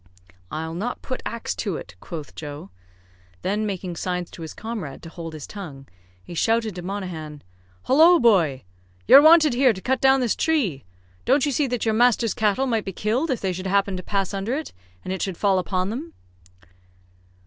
"I'll not put axe to it," quoth Joe. Then, making signs to his comrade to hold his tongue, he shouted to Monaghan, "Hollo, boy! you're wanted here to cut down this tree. Don't you see that your master's cattle might be killed if they should happen to pass under it, and it should fall upon them."